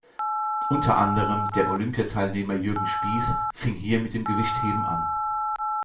Unter anderem der Olympiateilnehmer Jürgen Spieß fing hier mit dem Gewichtheben an.